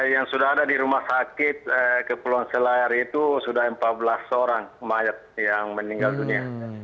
yang sudah ada di rumah sakit kepulauan selayar itu sudah empat belas orang mayat yang meninggal dunia